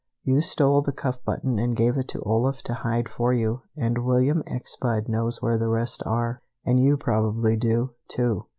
You stole the cuff button and gave it to Olaf to hide for you, and William X. Budd knows where the rest are, and you probably do, too.